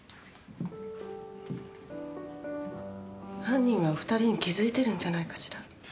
犯人はお２人に気づいてるんじゃないかしら。